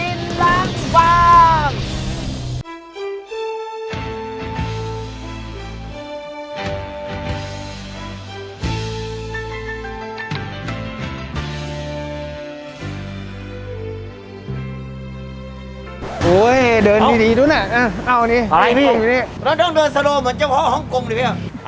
โอ้ยเดินดีดีดูน่ะเอาอันนี้เราต้องเดินสโลมเหมือนเจ้าพ่อฮ่องกงหรือเปล่า